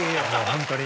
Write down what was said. ホントに。